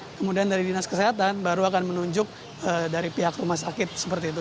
kemudian dari dinas kesehatan baru akan menunjuk dari pihak rumah sakit seperti itu